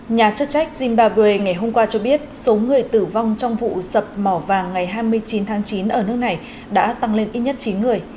nhà chức trách zimbabwe ngày hôm qua cho biết số người tử vong trong vụ sập mỏ vàng ngày hai mươi chín tháng chín ở nước này đã tăng lên ít nhất chín người